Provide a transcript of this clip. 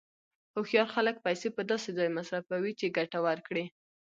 هوښیار خلک پیسې په داسې ځای مصرفوي چې ګټه ورکړي.